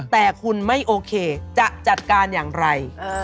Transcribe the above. แต่คุณไม่โอเคจะจัดการอย่างไร